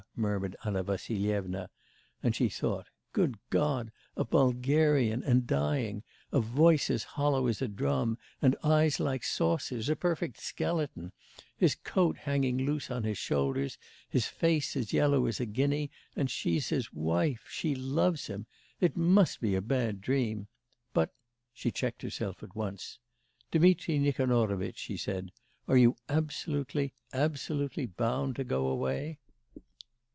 murmured Anna Vassilyevna, and she thought: 'Good God, a Bulgarian, and dying; a voice as hollow as a drum; and eyes like saucers, a perfect skeleton; his coat hanging loose on his shoulders, his face as yellow as a guinea, and she's his wife she loves him it must be a bad dream. But ' she checked herself at once: 'Dmitri Nikanorovitch,' she said, 'are you absolutely, absolutely bound to go away?